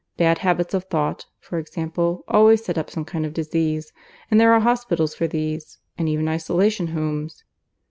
Bad habits of thought, for example, always set up some kind of disease; and there are hospitals for these; and even isolation homes."